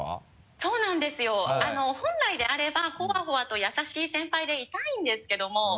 そうなんですよ本来であればほわほわと優しい先輩でいたいんですけども。